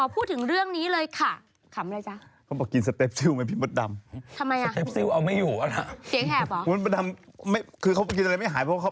เป็นเพื่อนกันมาก่อน